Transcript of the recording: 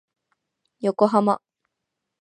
横浜